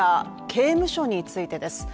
刑務所についてです